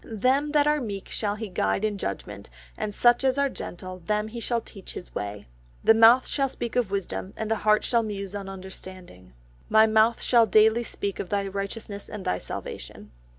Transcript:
"Them that are meek shall He guide in judgement, and such as are gentle them shall He teach His way." "My mouth shall speak of wisdom and my heart shall muse on understanding." "My mouth shall daily speak of Thy righteousness and Thy salvation."